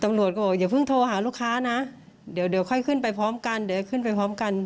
ตำรวจก็บอกอย่าเพิ่งโทรหาลูกค้านะเดี๋ยวเดี๋ยวค่อยขึ้นไปพร้อมกันเดี๋ยวขึ้นไปพร้อมกัน